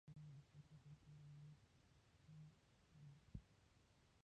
ورو ورو مې احساس وکړ چې غونډۍ شنې شوې.